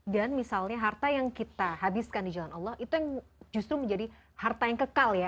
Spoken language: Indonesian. dan misalnya harta yang kita habiskan di jalan allah itu yang justru menjadi harta yang kekal ya